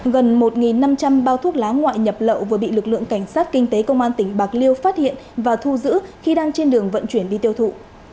gần một năm trăm linh bao thuốc lá ngoại nhập lậu vừa bị lực lượng cảnh sát kinh tế công an tỉnh bạc liêu phát hiện và thu giữ khi đang trên đường vận chuyển đi tiêu thụ